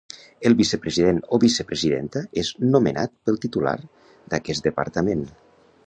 El vicepresident o vicepresidenta és nomenat pel titular d'aquest Departament.